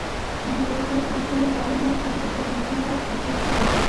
আমার প্রতিপালক ক্ষমাশীল ও দয়ালু হওয়ার সাথে সাথে যন্ত্রণাদায়ক শাস্তিদাতাও বটে।